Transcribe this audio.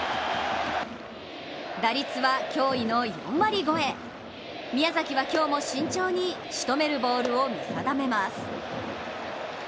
打率は驚異の４割超え、宮崎は今日も慎重にしとめるボールを見定めます。